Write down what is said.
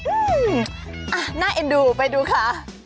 อื้มน่าเอ็ดดูไปดูค่ะ